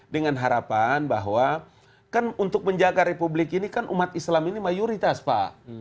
dengan harapan bahwa kan untuk menjaga republik ini kan umat islam ini mayoritas pak